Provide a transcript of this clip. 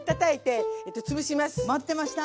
待ってました！